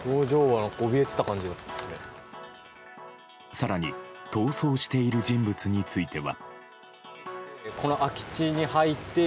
更に逃走している人物については。